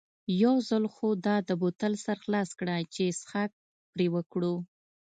یو ځل خو دا د بوتل سر خلاص کړه چې څښاک پرې وکړو.